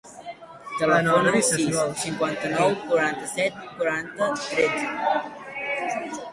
Telefona al sis, cinquanta-nou, quaranta-set, quaranta, tretze.